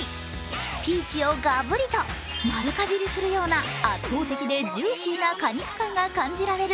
ピーチをがぶりと丸かじりするような圧倒的でジューシーな果肉感が感じられる